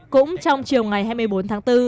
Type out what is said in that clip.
cũng trong chiều ngày hai mươi bốn tháng bốn